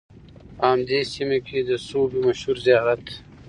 په همدې سیمه کې د سوبۍ مشهور زیارت